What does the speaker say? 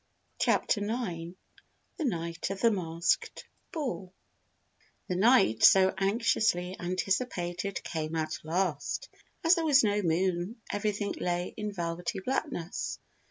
CHAPTER NINE THE NIGHT OF THE MASKED BALL The night so anxiously anticipated came at last. As there was no moon everything lay in velvety blackness.